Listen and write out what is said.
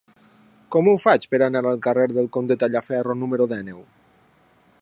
Com ho faig per anar al carrer del Comte Tallaferro número dinou?